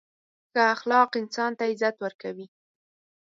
• ښه اخلاق انسان ته عزت ورکوي.